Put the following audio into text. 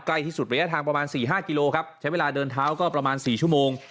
ที่สุดระยะทางประมาณ๔๕กิโลครับใช้เวลาเดินเท้าก็ประมาณ๔ชั่วโมง